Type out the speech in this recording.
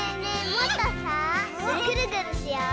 もっとさぐるぐるしよう！